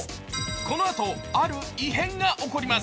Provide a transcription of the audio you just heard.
このあとある異変が起こります。